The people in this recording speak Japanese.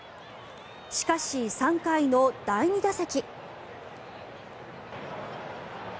しかし、３回の第２打席。